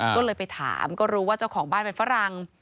ก็เลยไปถามก็รู้ว่าเจ้าของบ้านเป็นฝรั่ง